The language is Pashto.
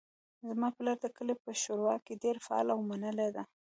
زما پلار د کلي په شورا کې ډیر فعال او منلی ده